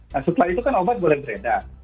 nah setelah itu kan obat boleh beredar